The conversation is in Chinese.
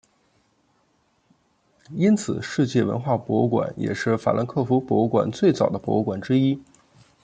因此世界文化博物馆也是法兰克福博物馆岸最早的博物馆之一。